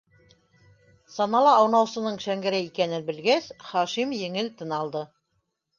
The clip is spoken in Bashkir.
Санала аунаусының Шәңгәрәй икәнен белгәс, Хашим еңел тын алды.